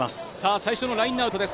最初のラインアウトです。